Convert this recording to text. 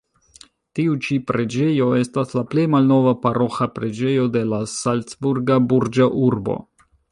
Tiu ĉi preĝejo estas la plej malnova paroĥa preĝejo de la salcburga burĝa urbo.